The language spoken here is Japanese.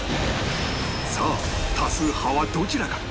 さあ多数派はどちらか？